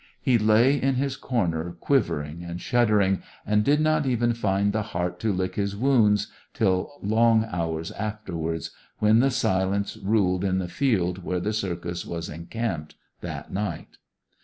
He lay in his corner, quivering and shuddering, and did not even find the heart to lick his wounds till long hours afterwards, when silence ruled in the field where the circus was encamped that night.